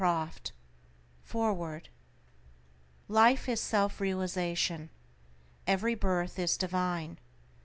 =The Fore=word= Life is self realization. Every birth is divine.